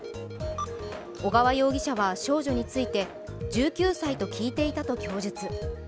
小川容疑者は少女について１９歳と聞いていたと供述。